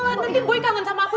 nanti boy kangen sama aku